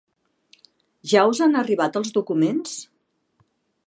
Ja us han arribat els documents?